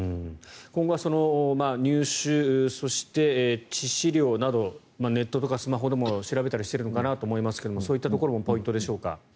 今後は入手そして致死量などネットとかスマホでも調べたりしているのかなと思いますがそういったところもポイントでしょうか？